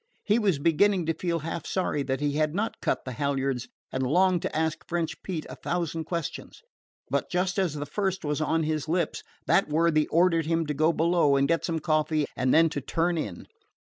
He was beginning to feel half sorry that he had not cut the halyards, and longed to ask French Pete a thousand questions; but just as the first was on his lips that worthy ordered him to go below and get some coffee and then to turn in.